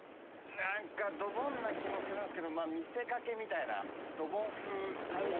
何かドボンな気もするんすけど見せかけみたいな。